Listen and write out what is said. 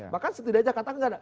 bahkan setidaknya katakan